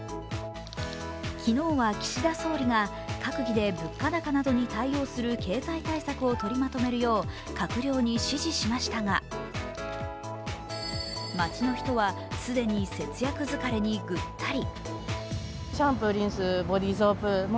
昨日は岸田総理が閣議で物価高などに対応する経済対策を取りまとめるよう閣僚に指示しましたが、街の人は既に節約疲れにぐったり。